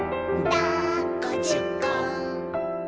「だっこじゅっこ」